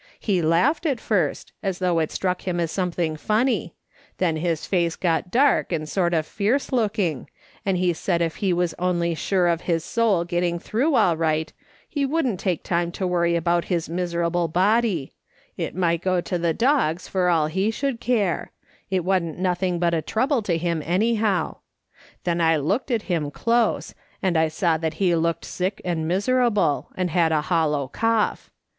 He laughed at first, as though it struck him as something funny ; then his face got dark and sort of fierce looking, and he said if he was only sure of his soul getting through all right, he wouldn't take time to worry about his miserable body ; it might go to tlie T94 ^^^S. SOLOMON SMITH LOOKING ON. dogs for all he should care — it wa'n't notliiiig but a trouble to him anyhow. Then I looked at him close, and I saw that he looked sick and miserable, and had a hollow cough.